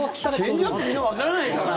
チェンジアップみんなわからないから。